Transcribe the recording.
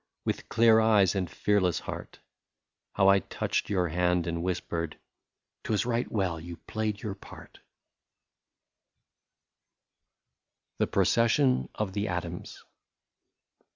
With clear eyes and fearless heart ; How I touched your hand and whispered —"' T was right well you played your part/' 109 THE PROCESSION OF THE ATOMS.